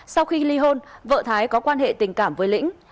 sau khi ly hôn vợ thái có quan hệ tình cảm với lĩnh